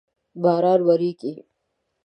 باران وریږی